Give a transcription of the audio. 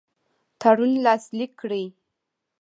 تړون لاسلیک کړي.